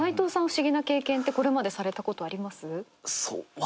不思議な経験ってこれまでされたことあります？